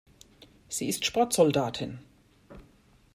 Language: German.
Sie ist Sportsoldatin.